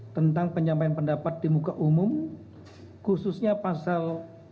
tentang penyampaian pendapat di muka umum khususnya pasal